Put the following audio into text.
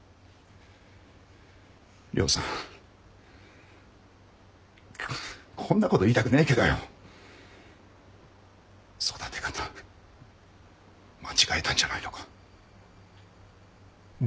亮さんこんなこと言いたくないけど育て方間違えたんじゃないのか？